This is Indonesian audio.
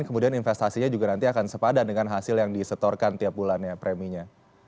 kemudian investasinya juga nanti akan sepadan dengan hasil yang disetorkan tiap bulannya preminya